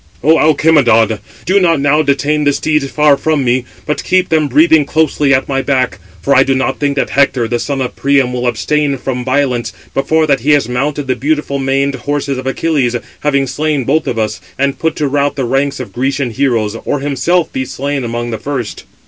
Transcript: "O Alcimedon, do not now detain the steeds far from me; but [keep them] breathing closely at my back; for I do not think that Hector, the son of Priam, will abstain from violence, before that he has mounted the beautiful maned horses of Achilles, having slain both of us, and put to rout the ranks of Grecian heroes; or himself be slain among the first."